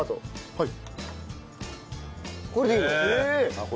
はい。